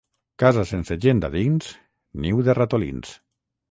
Casa sense gent a dins, niu de ratolins.